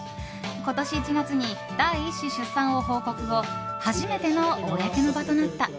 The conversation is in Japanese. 今年１月に第１子出産を報告後初めての公の場となった。